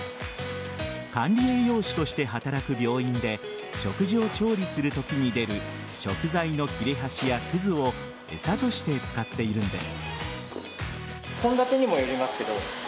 管理栄養士として働く病院で食事を調理するときに出る食材の切れ端やくずを餌として使っているんです。